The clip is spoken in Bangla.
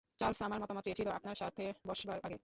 চার্লস আমার মতামত চেয়েছিল আপনার সাথে বসবার আগে।